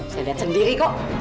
saya lihat sendiri kok